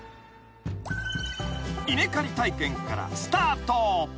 ［稲刈り体験からスタート］